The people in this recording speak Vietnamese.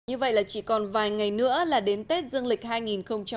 như vậy là chỉ còn vài ngày nữa là đến tết dương lịch hai nghìn một mươi bảy